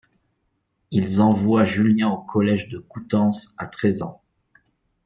Ils envoient Julien au collège de Coutances à treize ans.